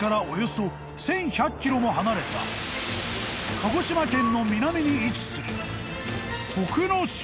［も離れた鹿児島県の南に位置する］